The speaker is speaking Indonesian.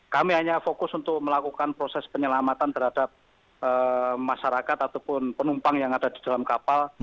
kami hanya fokus untuk melakukan proses penyelamatan terhadap masyarakat ataupun penumpang yang ada di dalam kapal